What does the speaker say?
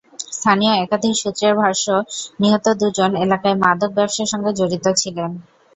স্থানীয় একাধিক সূত্রের ভাষ্য, নিহত দুজন এলাকায় মাদক ব্যবসার সঙ্গে জড়িত ছিলেন।